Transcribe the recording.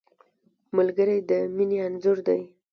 ملګری د مینې انځور دی